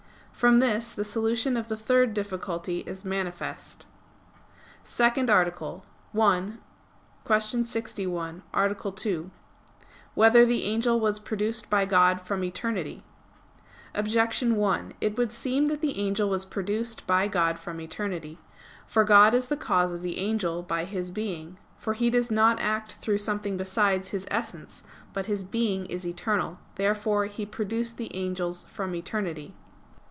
From this the solution of the third difficulty is manifest. _______________________ SECOND ARTICLE [I, Q. 61, Art. 2] Whether the Angel Was Produced by God from Eternity? Objection 1: It would seem that the angel was produced by God from eternity. For God is the cause of the angel by His being: for He does not act through something besides His essence. But His being is eternal. Therefore He produced the angels from eternity.